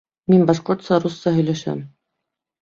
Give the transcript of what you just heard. Мин башҡортса, русса һөйләшәм.